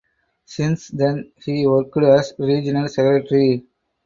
Since then he worked as regional secretary.